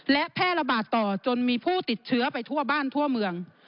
และแพร่ระบาดต่อจนมีผู้ติดเชื้อไปทั่วบ้านทั่วเมือง